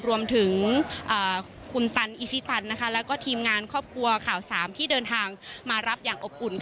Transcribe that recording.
รวมถึงคุณตันอิชิตันแล้วก็ทีมงานครอบครัวข่าวสามที่เดินทางมารับอย่างอบอุ่น